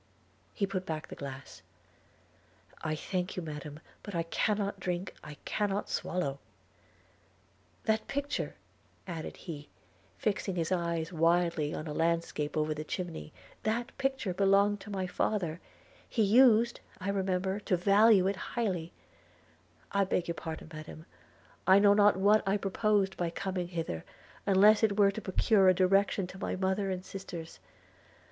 He put back the glass – 'I thank you, Madam, but I cannot drink – I cannot swallow. – That picture,' added he, fixing his eyes wildly on a landscape over the chimney – 'that picture belonged to my father; he used, I remember, to value it highly – I beg your pardon, Madam – I know not what I proposed by coming hither, unless it were to procure a direction to my mother and sisters.